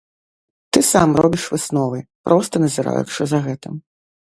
Ты сам робіш высновы, проста назіраючы за гэтым.